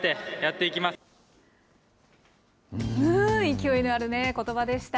勢いのあることばでした。